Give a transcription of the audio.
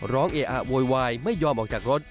เออะโวยวายไม่ยอมออกจากรถ